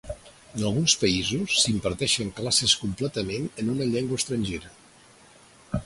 En alguns països s'imparteixen classes completament en una llengua estrangera.